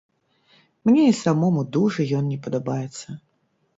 Мне і самому дужа ён не падабаецца.